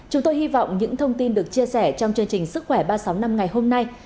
chúng tôi hy vọng những thông tin được chia sẻ trong chương trình sức khỏe ba trăm sáu mươi năm ngày hôm nay